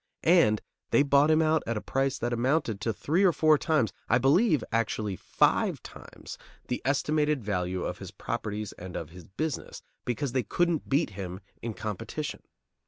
And they bought him out at a price that amounted to three or four times, I believe actually five times, the estimated value of his properties and of his business, because they couldn't beat him in competition.